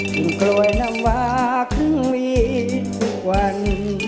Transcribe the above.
ยิ่งโคลยน้ำวากครึ่งวีดทุกวัน